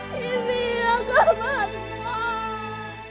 พี่เบียกลับมาก่อน